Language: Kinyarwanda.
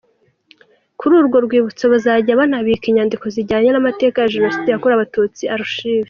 Kuri urwo rwibutso bazajya banabika inyandiko zijyanye n’amateka ya Jenoside yakorewe Abatutsi “archives”.